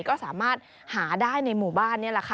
ก็สามารถหาได้ในหมู่บ้านนี่แหละค่ะ